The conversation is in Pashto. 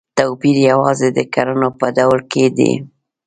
توپیر یوازې د کړنو په ډول کې دی.